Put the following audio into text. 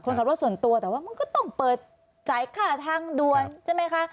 คนขับรถส่วนตัวแต่ว่ามันก็ต้องเปิดจ่ายค่าทางด่วนใช่ไหมคะ